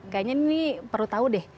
kayaknya ini perlu tahu deh